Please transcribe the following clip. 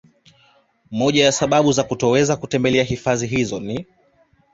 Moja ya sababu ya kutoweza kutembelea hifadhi hizo ni